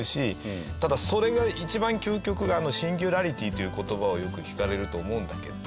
ただそれが一番究極が「シンギュラリティ」という言葉をよく聞かれると思うんだけど。